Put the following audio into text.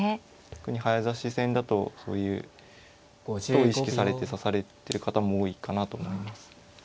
特に早指し戦だとそういうことを意識されて指されてる方も多いかなと思います。